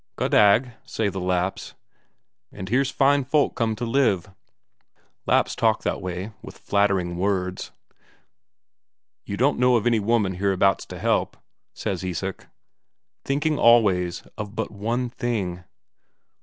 "Goddag" say the Lapps. "And here's fine folk come to live." Lapps talk that way, with flattering words. "You don't know of any woman hereabouts to help?" says Isak, thinking always of but one thing.